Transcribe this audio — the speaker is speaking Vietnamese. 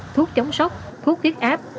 thuốc chống sốc thuốc viết áp